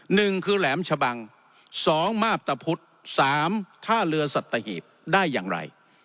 หนึ่งคือแหลมชะบังสองมาพตะพุธสามท่าเรือสัตหีบได้อย่างไร